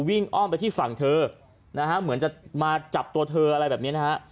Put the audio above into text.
อ้อมไปที่ฝั่งเธอนะฮะเหมือนจะมาจับตัวเธออะไรแบบนี้นะฮะ